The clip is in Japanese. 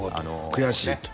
悔しいと？